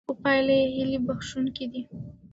خو پایلې هیله بښوونکې دي.